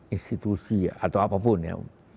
institusi atau apapun ya